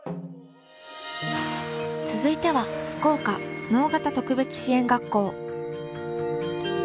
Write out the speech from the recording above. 続いては福岡直方特別支援学校。